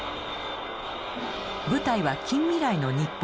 舞台は近未来の日本。